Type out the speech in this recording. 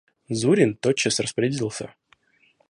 Зурин тотчас распорядился.